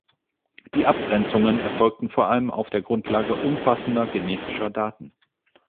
Die Abgrenzungen erfolgten vor allem auf der Grundlage umfassender genetischer Daten.